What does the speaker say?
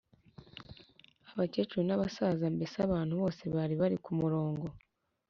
abakecuru n'abasaza mbese abantu bose bali bali ku murongo,